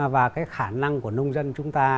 và cái khả năng của nông dân chúng ta